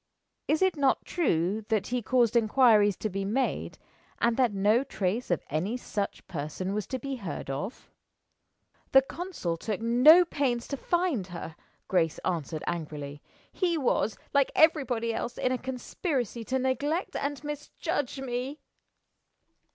"Is it not true that he caused inquiries to be made, and that no trace of any such person was to be heard of?" "The consul took no pains to find her," Grace answered, angrily. "He was, like everybody else, in a conspiracy to neglect and misjudge me."